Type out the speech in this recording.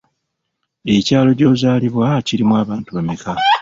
Ekyalo gy'ozaalibwa kirimu abantu bameka?